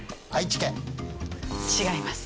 違います。